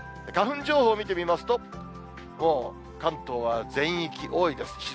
花粉情報を見てみますと、もう関東は全域多いです。